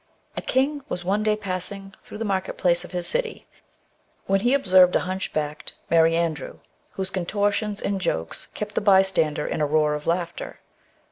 A king was one day passing through the market place of his city, when he observed a hunchbacked merryandrew, whose contortions and jokes kept the bystanders in a roar of laughter.